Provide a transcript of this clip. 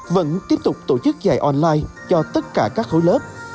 vẫn tiếp tục tổ chức dạy online cho tất cả các khối lớp